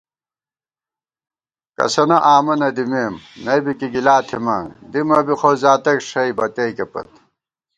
کسَنہ آمہ نہ دِمېم، نئ بی کی گِلا تھِمان، دِمہ بی خو زاتک ݭَئ بَتیَئیکےپت